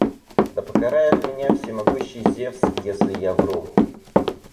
Да покарает меня всемогущий Зевс, если я вру!